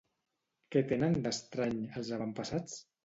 Què tenen, d'estrany, els avantpassats?